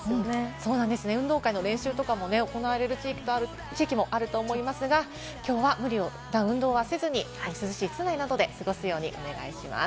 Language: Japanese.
運動会の練習なども行われる地域もあると思いますが、きょうは無理な運動はせずに涼しい室内などで過ごすようにお願いします。